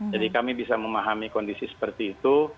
jadi kami bisa memahami kondisi seperti itu